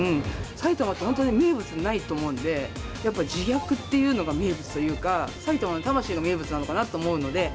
埼玉って本当に、名物ないと思うんで、やっぱり自虐っていうのが、名物っていうか、埼玉の魂が名物なのかなと思うので。